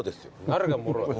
誰がもろだ。